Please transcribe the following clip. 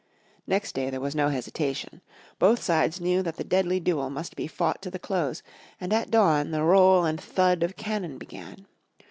Next day there was no hesitation. Both sides knew that the deadly duel must be fought to the close, and at dawn the roll and thud of cannon began.